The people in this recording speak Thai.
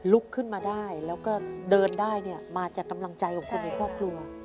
ลุกขึ้นมาได้แล้วก็เดินได้เนี่ยมาจากกำลังใจของคนในครอบครัว